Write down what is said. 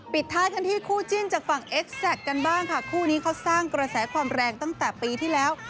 ท้ายกันที่คู่จิ้นจากฝั่งเอสแซคกันบ้างค่ะคู่นี้เขาสร้างกระแสความแรงตั้งแต่ปีที่แล้ว